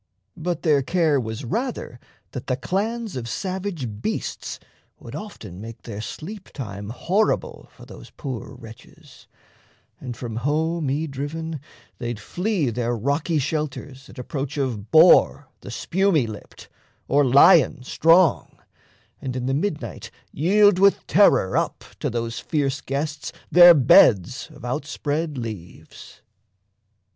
But their care Was rather that the clans of savage beasts Would often make their sleep time horrible For those poor wretches; and, from home y driven, They'd flee their rocky shelters at approach Of boar, the spumy lipped, or lion strong, And in the midnight yield with terror up To those fierce guests their beds of out spread leaves.